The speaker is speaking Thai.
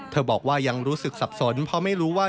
บอกว่ายังรู้สึกสับสนเพราะไม่รู้ว่า